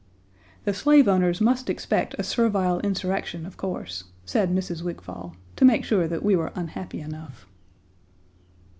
"The slave owners must expect a servile insurrection, of course," said Mrs. Wigfall, to make sure that we were unhappy enough.